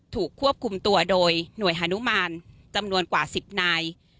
ถูกควบคุมตัวโดยหน่วยฮานุมานจำนวนกว่า๑๐นาย